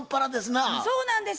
そうなんです。